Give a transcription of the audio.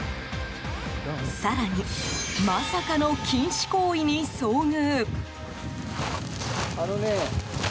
更に、まさかの禁止行為に遭遇。